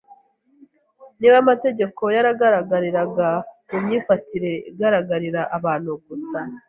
Niba amategeko yagaragariraga mu myifatire igaragarira abantu gusa,